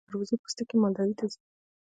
د خربوزې پوستکي مالداري ته ځي.